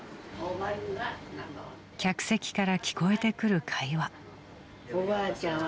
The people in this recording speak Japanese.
［客席から聞こえてくる会話］